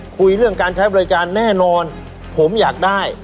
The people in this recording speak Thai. คุยเรื่องการใช้บริการแน่นอนผมอยากได้